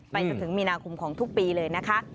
จนถึงมีนาคมของทุกปีเลยนะคะ